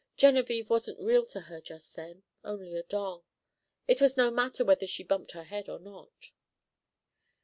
Genevieve wasn't real to her just then; only a doll. It was no matter whether she bumped her head or not.